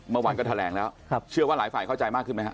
เมื่อวานก็แถลงแล้วเชื่อว่าหลายฝ่ายเข้าใจมากขึ้นไหมฮ